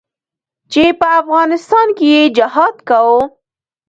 چې په افغانستان کښې يې جهاد کاوه.